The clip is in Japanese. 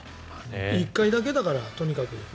１回だけだから、とにかく。